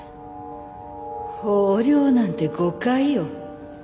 横領なんて誤解よ。